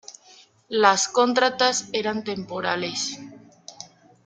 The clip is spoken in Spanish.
Las contratas eran temporales.